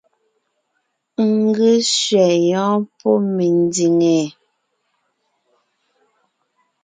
N ge sẅɛ yɔ́ɔn pɔ́ mendìŋe!